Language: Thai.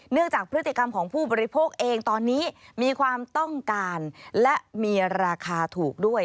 จากพฤติกรรมของผู้บริโภคเองตอนนี้มีความต้องการและมีราคาถูกด้วย